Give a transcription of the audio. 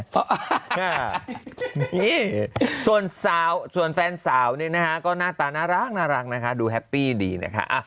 นี่ส่วนแฟนสาวเนี่ยนะคะก็หน้าตาน่ารักนะคะดูแฮปปี้ดีนะคะ